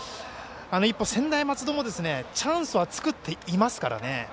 一方、専大松戸もチャンスは作っていますからね。